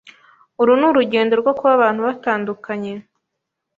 Uru ni urugero rwo kuba abantu batandukanye